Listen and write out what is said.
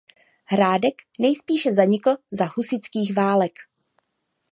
Hrádek nejspíše zanikl za husitských válek.